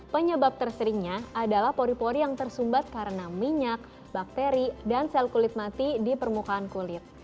penyebab terseringnya adalah pori pori yang tersumbat karena minyak bakteri dan sel kulit mati di permukaan kulit